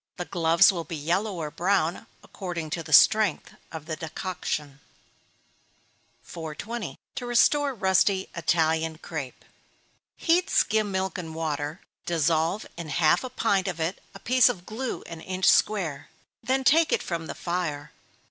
The gloves will be yellow or brown, according to the strength of the decoction. 420. To restore rusty Italian Crape. Heat skim milk and water dissolve in half a pint of it a piece of glue an inch square, then take it from the fire.